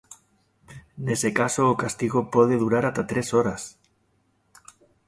Nese caso o castigo pode durar ata tres horas.